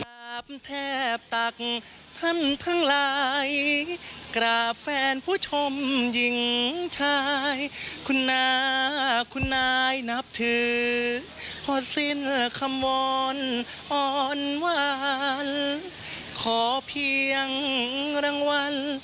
เดี๋ยวก่อนเดี๋ยวจะหมดเวลาไปซักทีก่อน